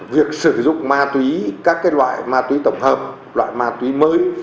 việc sử dụng các loại ma túy tổng hợp loại ma túy mới